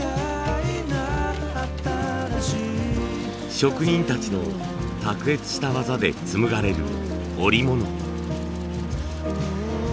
職人たちの卓越した技で紡がれる織物。